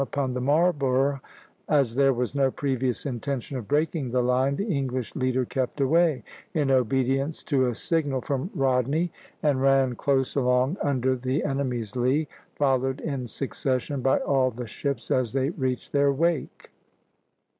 upon the "Marlborough." As there was no previous intention of breaking the line, the English leader kept away, in obedience to a signal from Rodney, and ran close along under the enemy's lee, followed in succession by all the ships as they reached her wake.